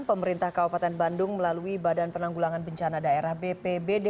pemerintah kabupaten bandung melalui badan penanggulangan bencana daerah bpbd